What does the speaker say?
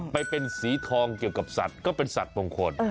ไปเป็นสีทองเกี่ยวกับสัตว์ก็เป็นสัตว์มงคล